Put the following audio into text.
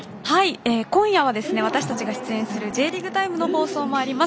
今夜は私たちが出演する「Ｊリーグタイム」の放送もあります。